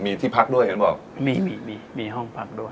มีที่พักด้วยเห็นบอกมีมีห้องพักด้วย